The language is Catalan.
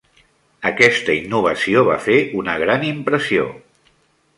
Aquesta innovació va fer una gran impressió.